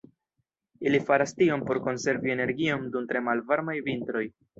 Ili faras tion por konservi energion dum tre malvarmaj vintroj.